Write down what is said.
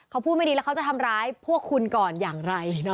เขาพูดไม่ดีแล้วเขาจะทำร้ายพวกคุณก่อนอย่างไร